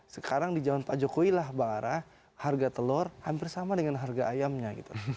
sekarang di zaman pak jokowi lah bang ara harga telur hampir sama dengan harga ayamnya gitu